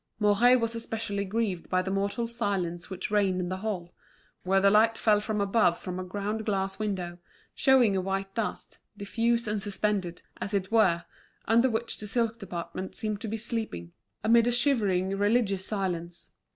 Mouret was especially grieved by the mortal silence which reigned in the hall, where the light fell from above from a ground glass window, showing a white dust, diffuse and suspended, as it were, under which the silk department seemed to be sleeping, amid a shivering religious silence.